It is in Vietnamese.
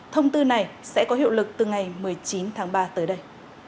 thông tư này sẽ có hiệu lực từ ngày một mươi chín tháng ba tới đây